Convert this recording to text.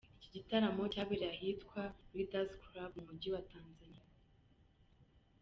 Iki gitaramo cyabereye ahitwa Leaders Club mu mujyi wa Tanzaniya.